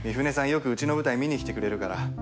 よくうちの舞台見に来てくれるから。